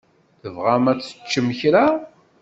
Tebɣam ad teččem kra?